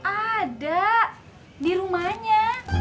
ada di rumahnya